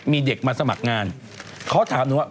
มีเด็กมาสมัครงานเขาถามหนูว่า